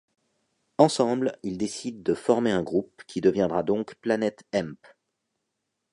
Ensemble, ils décident de former un groupe, qui deviendra donc Planet Hemp.